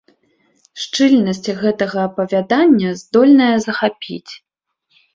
Шчыльнасць гэтага апавядання здольная захапіць.